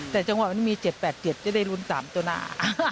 แต่จังหวะว่ามันมี๗๘๗จะได้รุน๓ตัวหน้า